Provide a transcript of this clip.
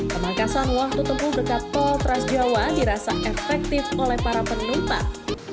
pemangkasan waktu tempuh dekat tol trans jawa dirasa efektif oleh para penumpang